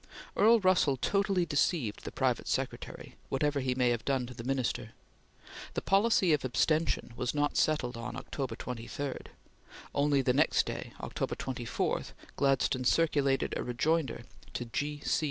Earl Russell totally deceived the private secretary, whatever he may have done to the Minister. The policy of abstention was not settled on October 23. Only the next day, October 24, Gladstone circulated a rejoinder to G. C.